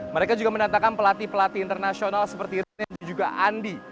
memenatakan pelatih pelatih internasional seperti renan dan juga andi